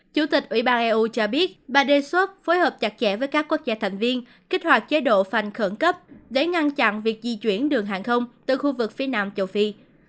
chủ tịch ủy ban eu cho biết bà đề xuất phối hợp chặt chẽ với các quốc gia thành viên kích hoạt chế độ phành khẩn cấp để ngăn chặn việc di chuyển đường hàng không từ khu vực phía nam châu phi